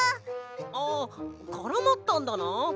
あっからまったんだな！